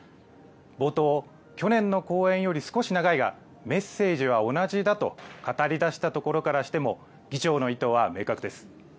冒頭、去年の講演より少し長いが、メッセージは同じだと語りだしたところからしても、議長の意図は明確です。